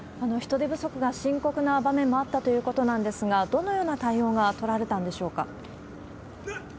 人手不足が深刻な場面もあったということなんですが、どのような対応が取られたんでしょうか。